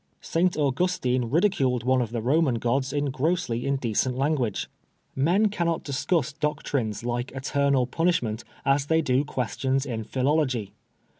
Saint Augustine ridiculed one of the Roman gods in grossly indecent language. Men cannot discuss 12 PRISONER FOR BLASPHEMY. doctrines like eternal punishment as they do questions in philology.